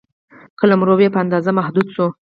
قلمرو یې په اندازه محدود شو.